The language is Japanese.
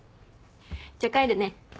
じゃあ帰るね。